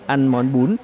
ăn món bún